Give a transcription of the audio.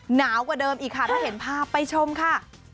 หนาวกว่าเดิมอีกค่ะถ้าเห็นภาพไปชมค่ะ